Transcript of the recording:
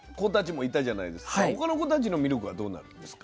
他の子たちのミルクはどうなるんですか。